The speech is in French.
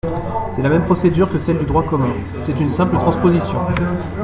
C’est la même procédure que celle du droit commun : c’est une simple transposition.